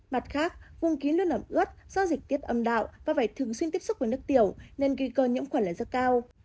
mặt khác vùng kín luôn ẩm ướt do dịch tiết âm đạo và phải thường xuyên tiếp xúc với nước tiểu nên kỳ cơ nhiễm khuẩn lại rất cao